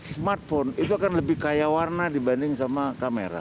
smartphone itu akan lebih kaya warna dibanding sama kamera